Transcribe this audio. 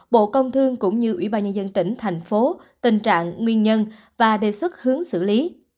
bộ công thương cũng như ủy ban nhân dân tỉnh thành phố tình trạng nguyên nhân và đề xuất hướng xử lý